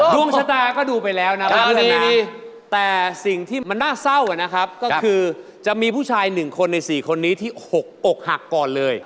ดวงชะตาก็ดูไปแล้วนะครับแต่สิ่งที่มันน่าเศร้านะครับก็คือจะมีผู้ชาย๑คนใน๔คนนี้ที่หกอกหักก่อนเลย